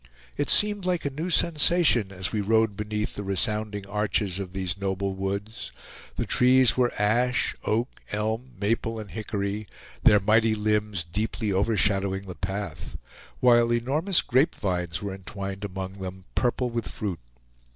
It seemed like a new sensation as we rode beneath the resounding archs of these noble woods. The trees were ash, oak, elm, maple, and hickory, their mighty limbs deeply overshadowing the path, while enormous grape vines were entwined among them, purple with fruit.